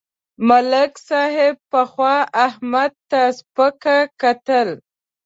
ملک صاحب پخوا احمد ته سپکه کتل.